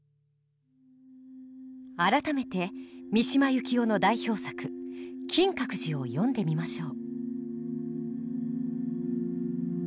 改めて三島由紀夫の代表作「金閣寺」を読んでみましょう。